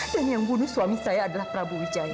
dan yang bunuh suami saya adalah prabu wijaya